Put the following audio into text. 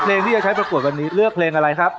เพลงที่จะใช้ประกวดวันนี้เลือกเพลงอะไรครับ